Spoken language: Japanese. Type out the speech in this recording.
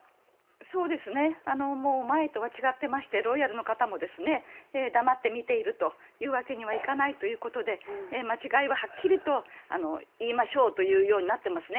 そうですね、もう前とは違ってまして、ロイヤルの方も黙って見ているというわけにはいかないということで、間違いははっきりと言いましょうというようになってますね。